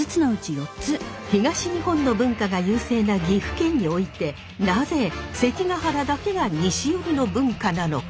東日本の文化が優勢な岐阜県においてなぜ関ケ原だけが西寄りの文化なのか？